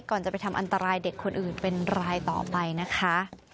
ก่อนจะไปทำอันตรายเด็กคนอื่นเป็นรายต่อไปนะคะ